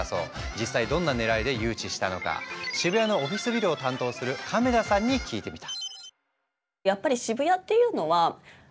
実際どんなねらいで誘致したのか渋谷のオフィスビルを担当する亀田さんに聞いてみた。